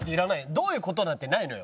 どういう事なんてないのよ。